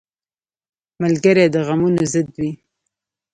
ملګری د غمونو ضد وي